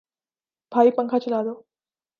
بھائی پنکھا چلا دو